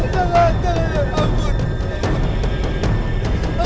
jangan jangan ampun